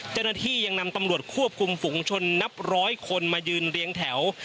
เจ้าหน้าที่ยังนำตำรวจควบคุมฝุงชนนับร้อยคนมายืนเรียงแถว